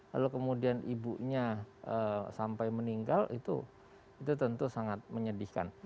lalu kemudian ibunya sampai meninggal itu tentu sangat menyedihkan